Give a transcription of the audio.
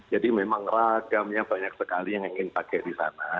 jadi memang ragamnya banyak sekali yang ingin pakai di sana